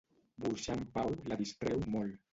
Burxar en Pau la distreu molt.